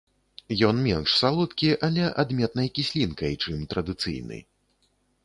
Ён менш салодкі, але адметнай кіслінкай, чым традыцыйны.